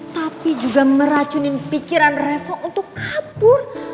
tapi juga meracunin pikiran reva untuk kabur